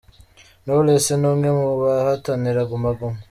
Knowless ni umwe mu bahatanira Guma Guma.